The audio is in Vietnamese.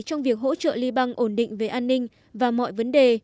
trong việc hỗ trợ liên bang ổn định về an ninh và mọi vấn đề